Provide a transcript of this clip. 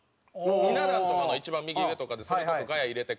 ひな壇とかの一番右上とかでそれこそガヤ入れてくれたり